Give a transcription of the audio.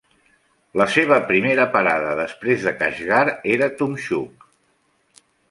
La seva primera parada després de Kashgar era Tumxuk.